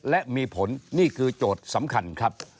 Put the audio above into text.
และมีผลนี่คือโจทย์สำคัญครับ